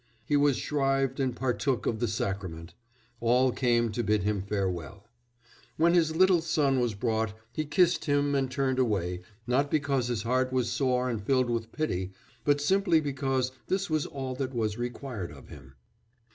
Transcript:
He was shrived and partook of the sacrament. All came to bid him farewell. "When his little son was brought, he kissed him and turned away, not because his heart was sore and filled with pity, but simply because this was all that was required of him."